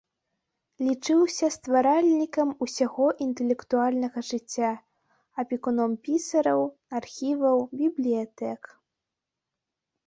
Лічыўся стваральнікам усяго інтэлектуальнага жыцця, апекуном пісараў, архіваў, бібліятэк.